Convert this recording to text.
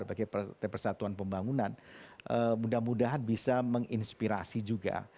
sebagai partai persatuan pembangunan mudah mudahan bisa menginspirasi juga